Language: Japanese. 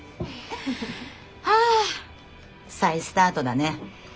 はあ再スタートだね。